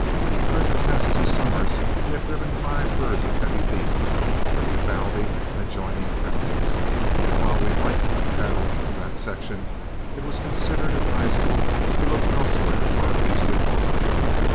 During the past two summers we had driven five herds of heavy beeves from Uvalde and adjoining counties, and while we liked the cattle of that section, it was considered advisable to look elsewhere for our beef supply.